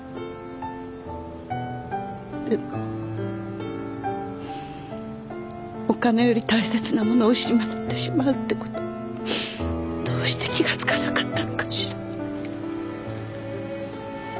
でもお金より大切なものを失ってしまうってことどうして気が付かなかったのかしら？